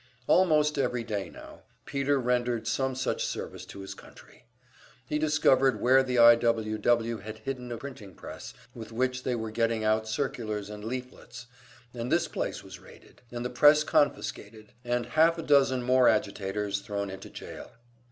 Almost every day now Peter rendered some such service to his country. He discovered where the I. W. W. had hidden a printing press with which they were getting out circulars and leaflets, and this place was raided, and the press confiscated, and half a dozen more agitators thrown into jail.